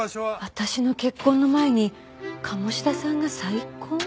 私の結婚の前に鴨志田さんが再婚？